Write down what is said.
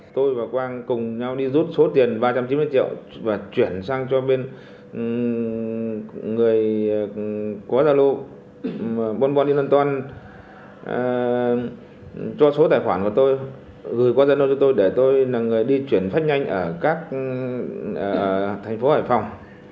tôi và quang cùng nhau đi rút số tiền ba trăm chín mươi triệu và chuyển sang cho bên người qua gia lô buôn bán đi lân toàn cho số tài khoản của tôi gửi qua gia lô cho tôi để tôi là người đi chuyển phát nhanh ở các thành phố hải phòng